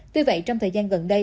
tuy vậy trong thời gian gần đây